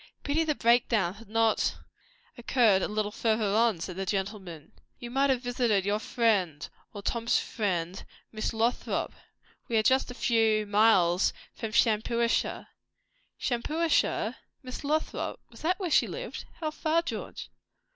"Pity the break down had not occurred a little further on," said the gentleman. "You might have visited your friend or Tom's friend Miss Lothrop. We are just a few miles from Shampuashuh." "Shampuashuh! Miss Lothrop! Was that where she lived? How far, George?"